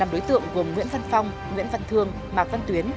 năm đối tượng gồm nguyễn văn phong nguyễn văn thương mạc văn tuyến